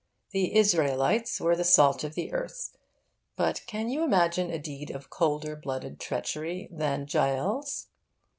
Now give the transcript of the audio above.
The Israelites were the salt of the earth. But can you imagine a deed of colder blooded treachery than Jael's?